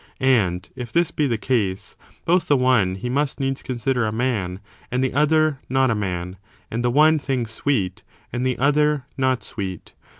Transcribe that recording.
And, if this be the case, both the one he must needs consider a man and the other not a man; and the one thing sweet, and the other not sweet.